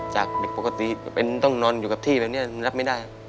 จากเด็กปกติเป็นต้องนอนอยู่กับที่แบบนี้รับไม่ได้